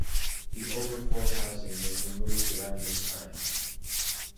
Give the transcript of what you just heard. The overflow housing was removed around this time.